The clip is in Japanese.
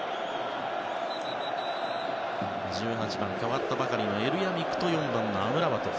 １８番代わったばかりのエルヤミクと４番のアムラバト